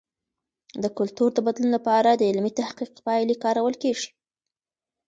د کلتور د بدلون لپاره د علمي تحقیق پایلې کارول کیږي.